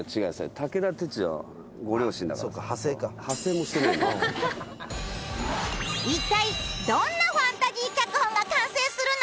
武田鉄矢は一体どんなファンタジー脚本が完成するの？